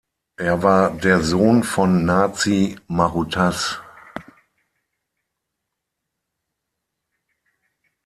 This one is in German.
Er war der Sohn von Nazi-Maruttaš.